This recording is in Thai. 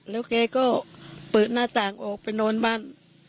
แล้วแกก็เปิดหน้าต่างออกไปนอนบ้าน